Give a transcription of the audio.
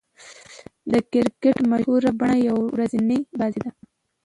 د کرکټ مشهوره بڼه يوه ورځنۍ بازي ده.